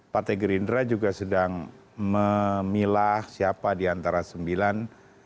partai gerindra juga sedang memilah siapa di antara sembilan